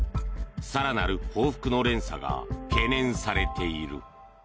更なる報復の連鎖が懸念されている。